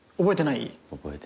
覚えてない。